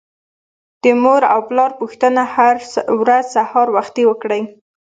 د مور او پلار پوښتنه هر ورځ سهار وختي وکړئ.